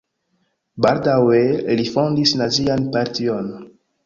Baldaŭe li fondis nazian partion.